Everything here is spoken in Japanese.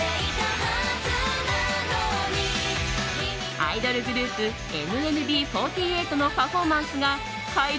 アイドルグループＮＭＢ４８のパフォーマンスが会場